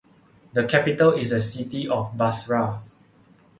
The capital is the city of Basra.